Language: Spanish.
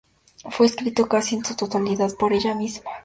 Fue escrito casi en su totalidad por ella misma.